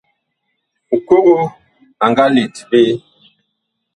Ŋkogo a nga let ɓe.